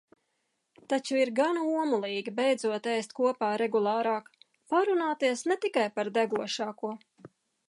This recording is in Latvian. Taču ir gana omulīgi beidzot ēst kopā regulārāk, parunāties ne tikai par degošāko.